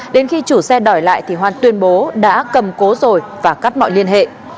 đến khi chủ xe đòi lại thì hoan tuyên bố đã cầm cố rồi và cắt mọi liên hệ